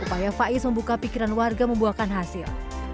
upaya faiz membuka pikiran warga membuahkan hasil